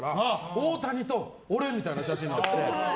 大谷と俺みたいな写真になって。